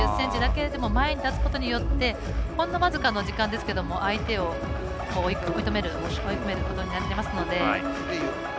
１０ｃｍだけでも前に立つことによってほんの僅かの時間ですけれども相手を追い込めることになりますので。